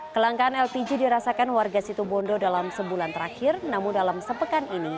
kelangkaan lpg dirasakan warga situbondo dalam sebulan terakhir namun dalam sepekan ini